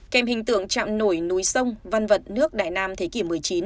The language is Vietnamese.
kèm hình tượng trạm nổi núi sông văn vật nước đại nam thế kỷ một mươi chín